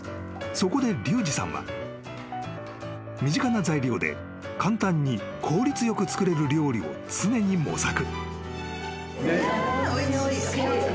［そこでリュウジさんは］［身近な材料で簡単に効率よく作れる料理を常に模索］